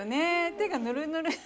「手がぬるぬる」。